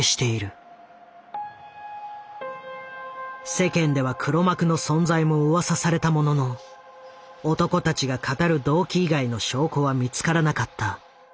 世間では黒幕の存在もうわさされたものの男たちが語る動機以外の証拠は見つからなかった。